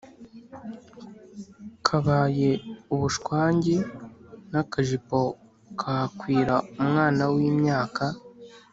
kabaye ubushwangi n’akajipo kakwira umwana w’imyaka